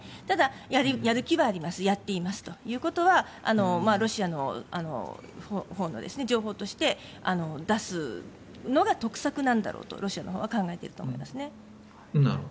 ただ、やる気はありますやっていますということはロシアのほうの情報として出すのが得策なんだろうとロシアのほうは考えていると思いますね。